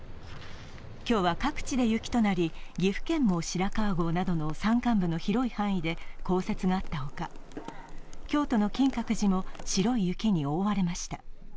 今日は各地で雪となり岐阜県も白川郷などの山間部の広い範囲で降雪があったほか、京都の金閣寺も白い雪に覆われました。